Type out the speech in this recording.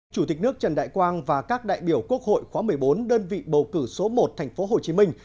chủ tịch nước trần đại quang và các đại biểu quốc hội khóa một mươi bốn đơn vị bầu cử số một thành phố hồ chí minh